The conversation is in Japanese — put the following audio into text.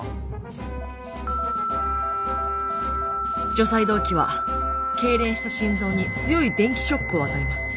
除細動器はけいれんした心臓に強い電気ショックを与えます。